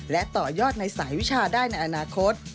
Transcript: และต่อยอดในสายวิชาได้ในอนาคต